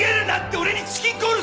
俺にチキンコールすんだ！